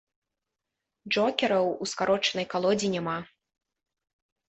Джокераў ў скарочанай калодзе няма.